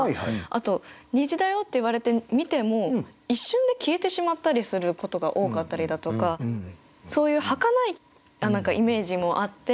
あと「虹だよ」って言われて見ても一瞬で消えてしまったりすることが多かったりだとかそういうはかないイメージもあって。